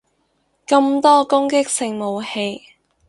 咁多攻擊性武器